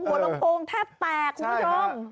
หัวลำโพงแทบแตกคุณไม่ยอม